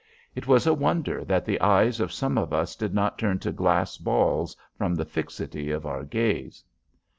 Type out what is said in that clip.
It was a wonder that the eyes of some of us did not turn to glass balls from the fixity of our gaze.